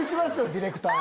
ディレクター